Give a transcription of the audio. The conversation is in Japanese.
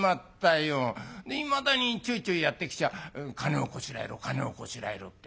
いまだにちょいちょいやって来ちゃ金をこしらえろ金をこしらえろって。